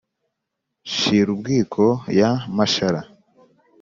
shirubwiko ya mashara